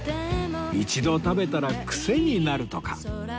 一度食べたらクセになるとか